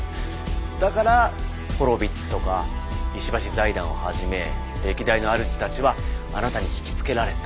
だからホロヴィッツとか石橋財団をはじめ歴代のあるじたちはあなたに引き付けられた。